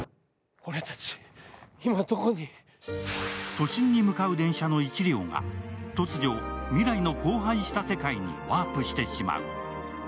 都心に向かう電車の１両が突如、未来の荒廃した世界にワープしてしまう。